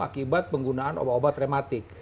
akibat penggunaan obat obat rematik